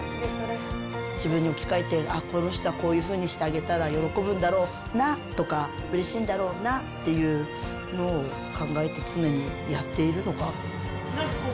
自分に置き換えて、あっ、この人はこういうふうにしてあげたら喜ぶんだろうなとか、うれしいんだろうなっていうのを、考えて常にやっているのが。